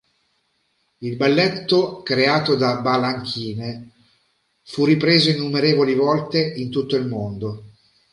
Il balletto creato da Balanchine fu ripreso innumerevoli volte in tutto il mondo.